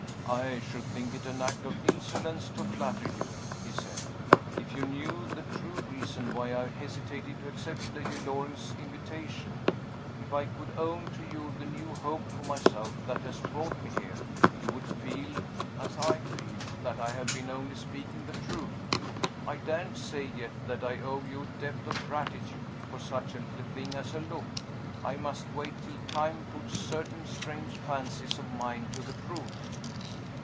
"I should think it an act of insolence to flatter you," he said. "If you knew the true reason why I hesitated to accept Lady Loring's invitation if I could own to you the new hope for myself that has brought me here you would feel, as I feel, that I have been only speaking the truth. I daren't say yet that I owe you a debt of gratitude for such a little thing as a look. I must wait till time puts certain strange fancies of mine to the proof."